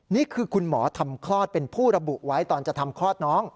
นี่คือคุณหมอทำคลอดเป็นผู้ระบุไว้ตอนจะทำคลอดน้อง